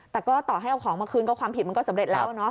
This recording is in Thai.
แต่ก็ต่อให้เอาของมาคืนก็ความผิดมันก็สำเร็จแล้วเนาะ